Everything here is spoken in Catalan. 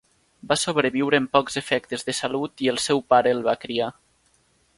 Va sobreviure amb pocs efectes de salut i el seu pare el va criar.